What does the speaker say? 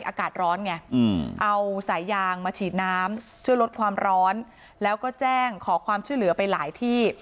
อากาศร้อนไงเอาสายยางมาฉีดน้ำช่วยลดความร้อนแล้วก็แจ้งขอความช่วยเหลือไปหลายที่